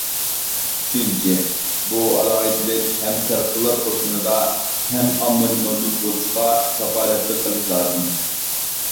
ئۈچىنچى، بۇ ئالاھىدىلىك ھەم سەرخىللار قوشۇنىدا، ھەم ئاممىدا مەۋجۇت بولۇشىغا كاپالەتلىك قىلىش لازىم.